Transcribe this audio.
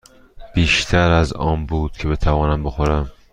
بیشتر از آن بود که بتوانم بخورم.